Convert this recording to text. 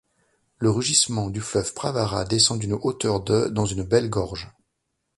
Le rugissement du fleuve Pravara descend d'une hauteur de dans une belle gorge.